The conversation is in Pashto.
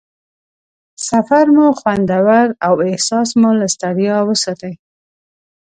سفر مو خوندور او احساس مو له ستړیا وساتي.